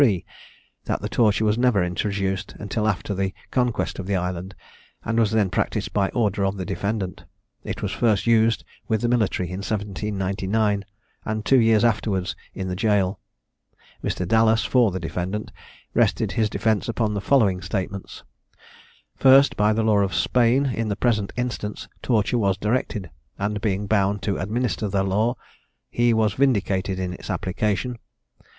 That the torture was never introduced until after the conquest of the island, and was then practised by order of the defendant. It was first used with the military in 1799, and two years afterwards in the gaol. Mr. Dallas, for the defendant, rested his defence upon the following statements: First, By the law of Spain, in the present instance, torture was directed; and, being bound to administer that law, he was vindicated in its application.